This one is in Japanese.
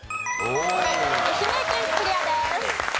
愛媛県クリアです。